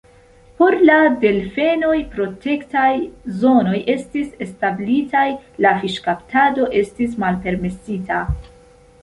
Por la delfenoj protektaj zonoj estis establitaj, la fiŝkaptado estis malpermesita.